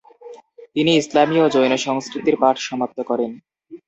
তিনি ইসলামি ও জৈন সংস্কৃতির পাঠ সমাপ্ত করেন।